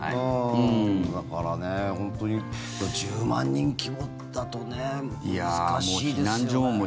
だから本当に１０万人規模だと難しいですよね。